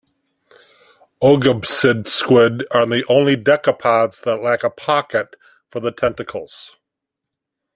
Oegopsid squid are the only decapods that lack a pocket for the tentacles.